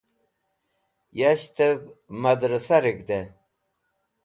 Yashtev Madrsah Reg̃hde